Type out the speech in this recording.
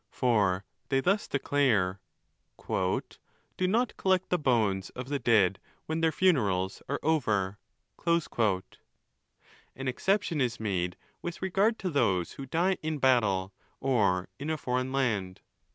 For they thus declare,—" Do not collect the bones of the dead, when their funerals are over." An exception is made with regard to those who die in battle, or in a foreign land.